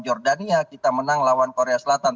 jordania kita menang lawan korea selatan